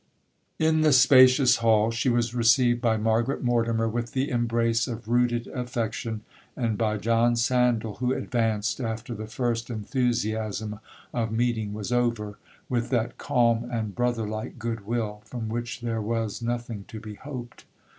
'In the spacious hall she was received by Margaret Mortimer with the embrace of rooted affection, and by John Sandal, who advanced after the first enthusiasm of meeting was over, with that calm and brother like good will, from which there was—nothing to be hoped.